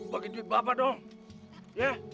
bagi duit bapak dong